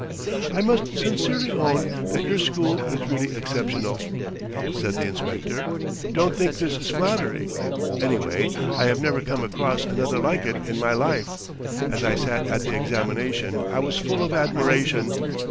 "I must sincerely own that your school is really exceptional," said the inspector. "Don't think this is flattery. Anyway, I have never come across another like it in my life. As I sat at the examination I was full of admiration.